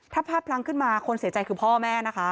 ถ้าภาพพลั้งขึ้นมาคนเสียใจคือพ่อแม่นะคะ